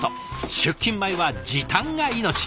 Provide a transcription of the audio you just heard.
出勤前は時短が命。